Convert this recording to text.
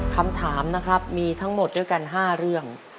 คำถามนะครับมีทั้งหมดด้วยกัน๕เรื่อง